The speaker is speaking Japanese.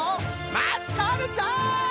まっとるぞい！